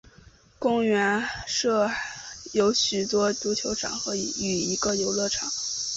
公园还设有许多足球场与一个游乐场。